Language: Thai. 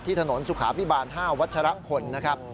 ถนนสุขาพิบาล๕วัชรพลนะครับ